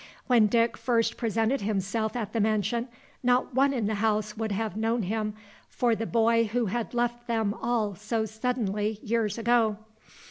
When Dick first presented himself at the mansion, not one in the house would have known him for the boy who had left them all so suddenly years ago.